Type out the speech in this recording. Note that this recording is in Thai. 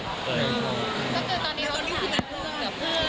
ตอนนี้คุณกับเพื่อน